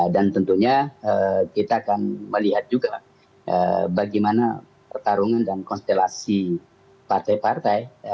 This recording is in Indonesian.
dan tentunya kita akan melihat juga bagaimana pertarungan dan konstelasi partai partai